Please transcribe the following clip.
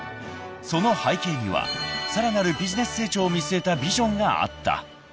［その背景にはさらなるビジネス成長を見据えたビジョンがあった］